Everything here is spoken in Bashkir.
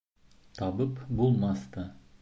Табып булмаҫ та.